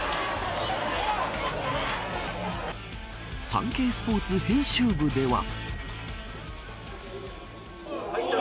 サンケイスポーツ編集部では。